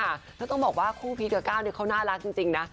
แล้วต้องบอกว่าคู่พีชกับก้าวเขาน่ารักจริงนะ